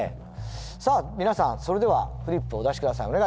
さあ皆さんそれではフリップをお出し下さい。